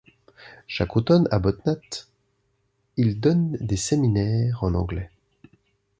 Chaque automne à Bodnath, il donne des séminaire en anglais.